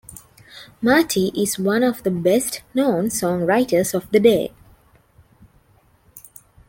Marty is one of the best known songwriters of the day.